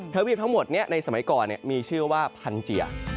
ทวีปทั้งหมดในสมัยก่อนมีชื่อว่าพันเจีย